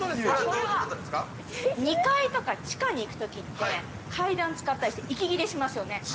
２階とか地下に行くときって、階段を使ったりして息切れをしますよね。